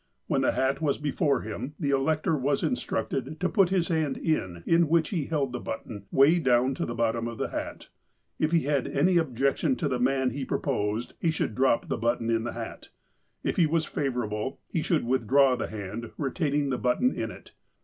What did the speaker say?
When the hat was before him, the elector was instructed to put his hand, in which he held the button, way down to the bottom of the hat. If he had any objection to the man proposed, he should drop the button in the hat. If he was favourable, he should withdraw the hand retain ing the button in it.